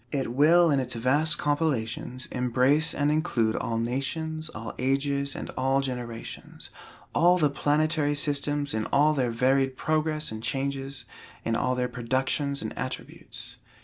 It will in its vast compilations, embrace and include all nations, all ages, and all generations; all the planetary systems in all their varied progress and changes, in all their productions and attributes.